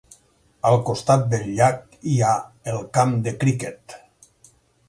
Al costat del llac hi ha el camp de cricket.